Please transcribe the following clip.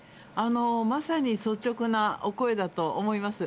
まさに率直なお声だと思います。